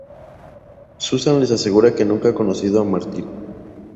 Susan les asegura que nunca ha conocido a Martin.